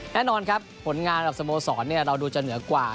แน่นอนครับผลงานกับสโมสรเราดูจะเหนือกว่า